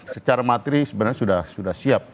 secara materi sebenarnya sudah siap